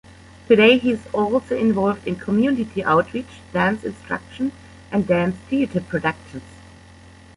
Today he is also involved in community outreach, dance instruction and dance theater productions.